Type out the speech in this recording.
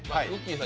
さん